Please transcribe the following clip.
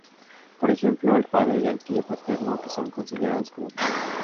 Por ejemplo, al padre y al tío paterno, que son considerados como padres.